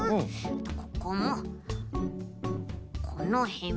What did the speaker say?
ここもこのへんも。